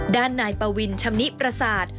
ด้านนายปวินชำนิปราศาสตร์